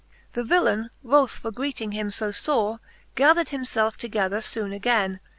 XLVI. The villaine wroth for greeting him fo fore, Gathered him felfe together foone againe.